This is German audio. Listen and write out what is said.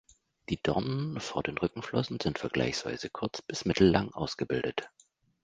Die Dornen vor den Rückenflossen sind vergleichsweise kurz bis mittellang ausgebildet.